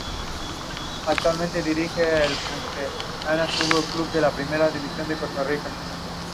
He was the youngest of three boys and was closest to his mum.